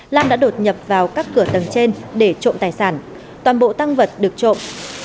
lan đã đột nhập vào các cửa tầng trên để trộm tài sản toàn bộ tăng vật được trộm